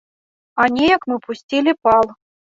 А неяк мы пусцілі пал!